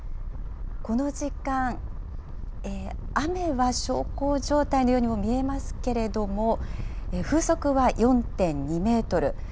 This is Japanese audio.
この時間、雨は小康状態のようにも見えますけれども、風速は４．２メートル。